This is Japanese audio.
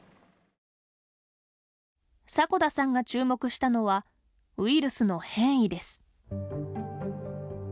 迫田さんが注目したのはウイルスの変異です。